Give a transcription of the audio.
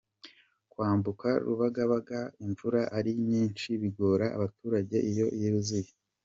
Kwambuka Rubagabaga imvura ari nyinshi bigora abaturage iyo yuzuye.